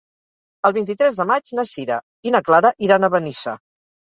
El vint-i-tres de maig na Sira i na Clara iran a Benissa.